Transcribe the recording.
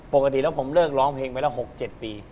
ปกติแล้วผมเลิกร้องเพลงไปแล้ว๖๗ปี